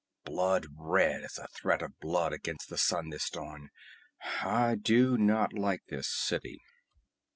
"Blood red as a threat of blood against the sun this dawn. I do not like this city."